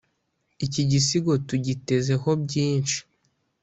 iki gisigo tugiteze ho byinshi